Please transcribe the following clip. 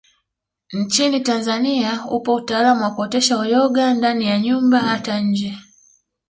Nchini Tanzania upo utaalamu wakuotesha uyoga ndani ya nyumba hata nje